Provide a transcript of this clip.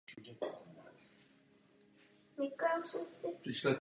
K tomuto bodu se již nebudu vracet.